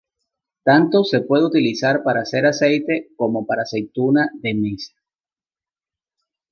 Tanto se puede utilizar para hacer aceite como para aceituna de mesa.